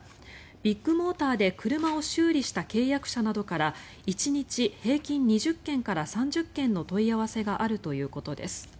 ビッグモーターで車を修理した契約者などから１日平均２０件から３０件の問い合わせがあるということです。